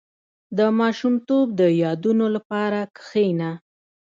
• د ماشومتوب د یادونو لپاره کښېنه.